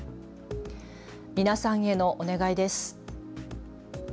皆さんへのお願いです。